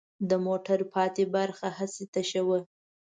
د موټر پاتې برخه هسې تشه وه.